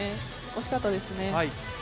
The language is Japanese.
惜しかったですね。